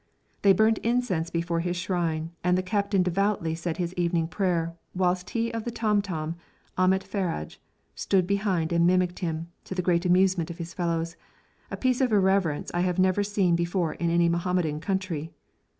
They burnt incense before his shrine, and the captain devoutly said his evening prayer, whilst he of the tom tom, Ahmet Faraj, stood behind and mimicked him, to the great amusement of his fellows a piece of irreverence I have never seen before in any Mohammedan country.